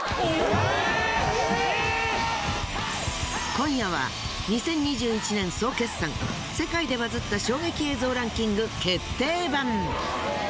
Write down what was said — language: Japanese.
今夜は２０２１年総決算世界でバズった衝撃映像ランキング決定版。